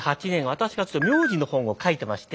私が名字の本を書いてまして。